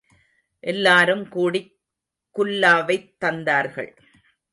எல்லாரும் கூடிக் குல்லாவைத் தந்தார்கள்.